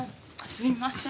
すいません。